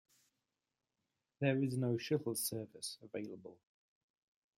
There is no shuttle service available.